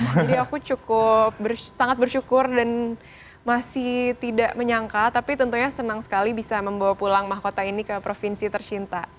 aku cukup sangat bersyukur dan masih tidak menyangka tapi tentunya senang sekali bisa membawa pulang mahkota ini ke provinsi tercinta